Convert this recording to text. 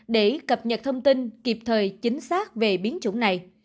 để cập nhật thông tin kịp thời chính xác về biến chủng này